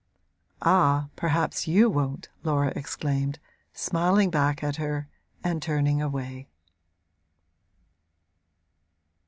'Ah, perhaps you won't!' Laura exclaimed, smiling back at her and turning away.